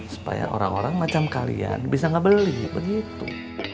supaya orang orang seperti kalian bisa ngabelin begitu